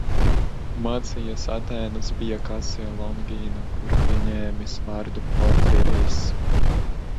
Mācījies Atēnās pie Kasija Longīna, kur pieņēmis vārdu Porfirijs.